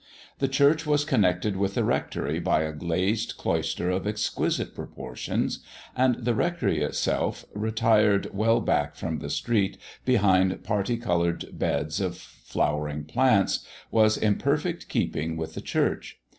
The church was connected with the rectory by a glazed cloister of exquisite proportions, and the rectory itself, retired well back from the street behind parti colored beds of flowering plants, was in perfect keeping with the church.